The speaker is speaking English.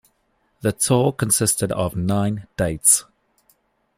The tour consisted of nine dates.